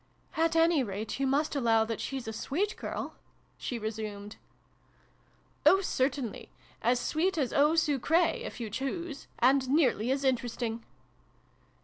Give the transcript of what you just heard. " At any rate you must allow that she's a sweet girl ?" she resumed. " Oh, certainly. As sweet as eau sucrfa, if you choose and nearly as interesting